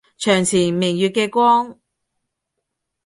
床前明月嘅光